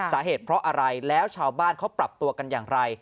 สาเหตุเพราะอะไรแล้วชาวบ้านเขาปรับตัวกันอย่างไร